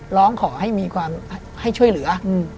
ร้องขอให้ช่วยเหลือ